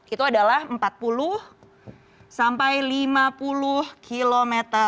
itu adalah empat puluh sampai lima puluh km